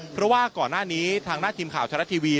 เพราะว่าก่อนหน้านี้ทางด้านทีมข่าวชะละทีวี